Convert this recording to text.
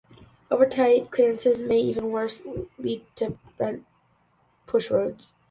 Over-tight clearances may, even worse, lead to bent pushrods.